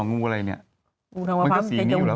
งูอะไรเนี่ยมันก็สีนี้อยู่แล้ว